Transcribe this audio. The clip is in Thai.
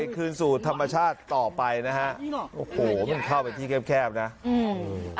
คืนสู่ธรรมชาติต่อไปนะฮะโอ้โหมันเข้าไปที่แคบแคบนะอืม